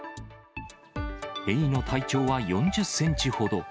エイの体長は４０センチほど。